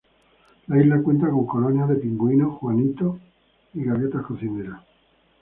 La isla cuenta con colonias de pingüinos juanito y gaviotas cocineras.